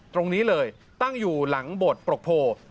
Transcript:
ตรงนี้เลยตั้งอยู่หลังบทปรกโพ